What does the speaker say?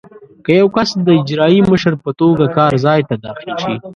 که یو کس د اجرایي مشر په توګه کار ځای ته داخل شي.